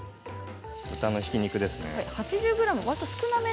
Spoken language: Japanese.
豚のひき肉です。